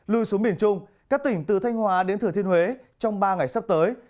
lùi xuống biển trung các tỉnh từ thanh hóa đến thừa thiên huế trong ba ngày sắp tới